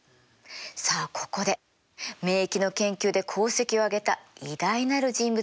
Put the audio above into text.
さあここで免疫の研究で功績をあげた偉大なる人物をもう一人紹介します。